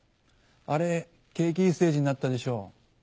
あれ景気いいステージになったでしょ。